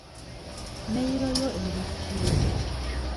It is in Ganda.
Meyiro yo eri ki?